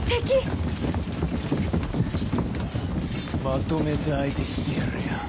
まとめて相手してやるよ。